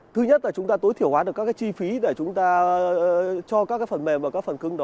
thứ nhất là chúng ta tối thiểu hóa được các chi phí để chúng ta cho các phần mềm và các phần cứng đó